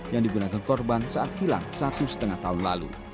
yang digunakan korban saat hilang satu lima tahun lalu